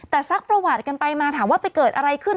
แต่ซักประวัติกันไปมาถามว่าไปเกิดอะไรขึ้น